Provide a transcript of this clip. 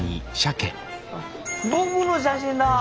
僕の写真だ。